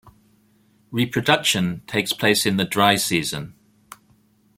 Reproduction takes place in the dry season.